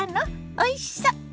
おいしそう！